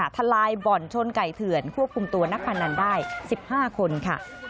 ทลายบ่อนชนไก่เถื่อนควบคุมตัวนักพนันได้๑๕คนค่ะ